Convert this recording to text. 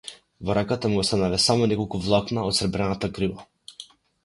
Во раката му останале само неколку влакна од сребрената грива.